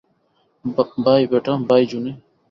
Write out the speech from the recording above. By বেটা, bye জুনি!